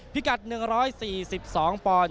พี่กัช๑๔๒ปอนซ์